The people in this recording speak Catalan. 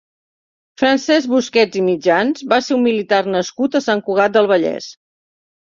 Francesc Busquets i Mitjans va ser un militar nascut a Sant Cugat del Vallès.